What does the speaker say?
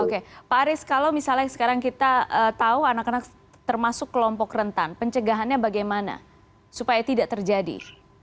oke pak aris kalau misalnya sekarang kita tahu anak anak termasuk kelompok rentan pencegahannya bagaimana supaya tidak terjadi